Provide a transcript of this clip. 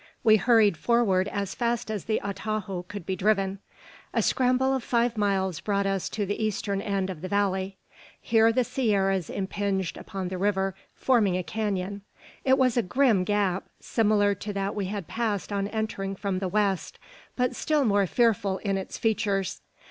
We hurried forward as fast as the atajo could be driven. A scramble of five miles brought us to the eastern end of the valley. Here the sierras impinged upon the river, forming a canon. It was a grim gap, similar to that we had passed on entering from the west, but still more fearful in its features.